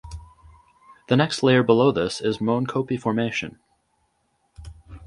The next layer below this is Moenkopi Formation.